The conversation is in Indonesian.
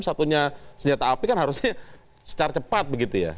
satunya senjata api kan harusnya secara cepat begitu ya